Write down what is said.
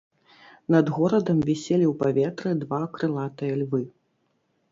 Над горадам віселі ў паветры два крылатыя львы.